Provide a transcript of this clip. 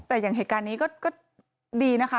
แต่อย่างเหตุการณ์นี้ก็ดีนะคะ